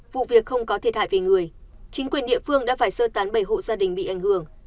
vụ việc không có thiệt hại về người chính quyền địa phương đã phải sơ tán bảy hộ gia đình bị ảnh hưởng